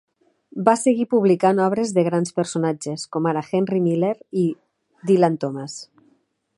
Va seguir publicant obres de grans personatges, com ara Henry Miller i Dylan Thomas.